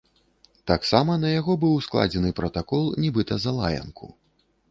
Таксама на яго быў складзены пратакол нібыта за лаянку.